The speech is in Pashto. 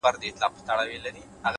خاموشه هڅه تر لوړ غږه اغېزمنه ده؛